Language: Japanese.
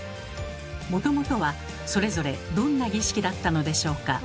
もともとはそれぞれどんな儀式だったのでしょうか？